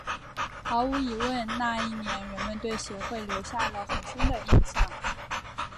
毫无疑问那一年人们对协会留下了很深的印象。